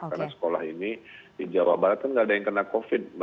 karena sekolah ini di jawa barat kan gak ada yang kena covid